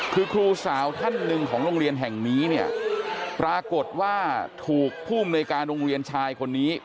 คือครูสาวท่านหนึ่งของโรงเรียนแห่งนี้เนี่ยปรากฏว่าถูกผู้อำนวยการโรงเรียนชายคนนี้